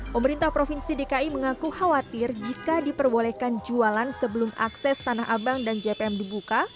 pemerintah provinsi dki mengaku khawatir jika diperbolehkan jualan sebelum akses tanah abang dan jpm dibuka